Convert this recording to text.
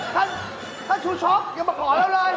ท่านท่านฟูช็อกอย่ามาขออะไร